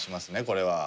これは。